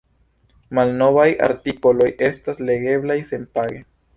Malnovaj artikoloj estas legeblaj senpage.